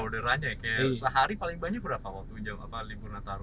orderannya kayak sehari paling banyak berapa waktu libur natal